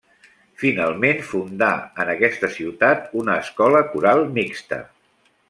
Finalment fundà en aquesta ciutat una escola coral mixta.